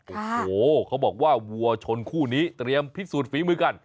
โอ้โหเขาบอกว่าวัวชนคู่นี้เตรียมพิสูจนฝีมือกัน